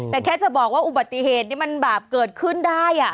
แต่แค่จะบอกว่าอุบัติเหตุนี้มันบาปเกิดขึ้นได้